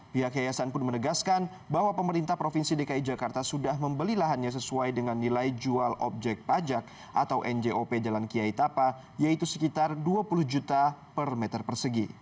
pihak yayasan pun menegaskan bahwa pemerintah provinsi dki jakarta sudah membeli lahannya sesuai dengan nilai jual objek pajak atau njop jalan kiai tapa yaitu sekitar dua puluh juta per meter persegi